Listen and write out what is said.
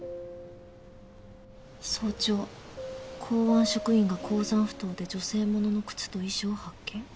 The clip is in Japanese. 「早朝港湾職員が甲山埠頭で女性物の靴と遺書を発見。